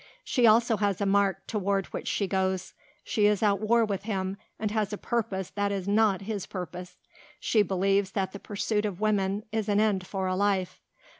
She also has a mark toward which she goes. She is at war with him and has a purpose that is not his purpose. She believes that the pursuit of women is an end for a life.